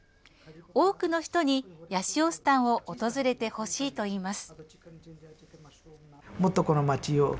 多くの人にヤシオスタンを訪れてほしいといいます。